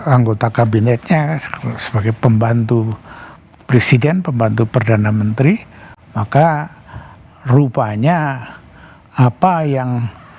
anggota kabinetnya sebagai pembantu presiden pembantu perdana menteri maka rupanya apa yang